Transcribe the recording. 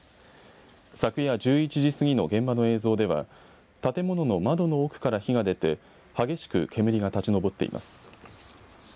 昨夜１１時過ぎの現場の映像では建物の窓の奥から火が出て激しく煙が立ち上っています。